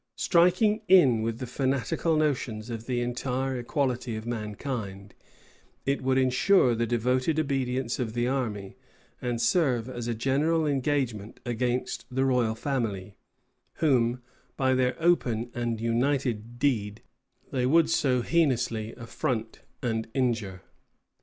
Striking in with the fanatical notions of the entire equality of mankind, it would insure the devoted obedience of the army, and serve as a general engagement against the royal family, whom, by their open and united deed, they would so heinously affront and injure.